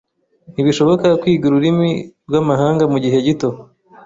Ntibishoboka kwiga ururimi rwamahanga mugihe gito.